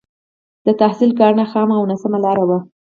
د تحصيل کاڼه خامه او ناسمه لاره وه.